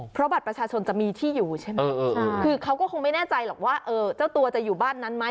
เพราะบัตรประชาชนจะมีที่อยู่ใช่ไหมคือเขาก็คงไม่แน่ใจหรอกว่าเจ้าตัวจะอยู่บ้านนั้นไหม